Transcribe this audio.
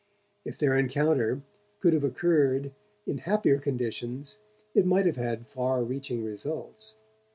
If their encounter could have occurred in happier conditions it might have had far reaching results.